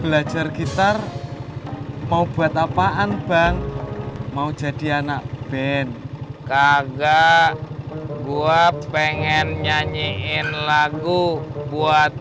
belajar gitar mau buat apaan bang mau jadi anak band kakak gue pengen nyanyiin lagu buat